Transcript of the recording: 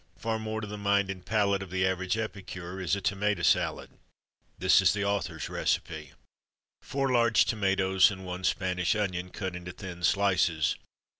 Far more to the mind and palate of the average epicure is a Tomato Salad. This is the author's recipe: Four large tomatoes and one Spanish onion, cut into thin slices.